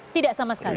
tidak sama sekali